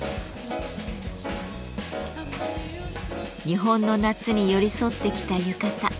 日本の夏に寄り添ってきた浴衣。